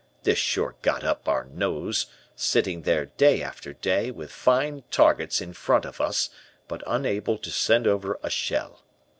This sure got up our nose, sitting there day after day, with fine targets in front of us but unable to send over a shell.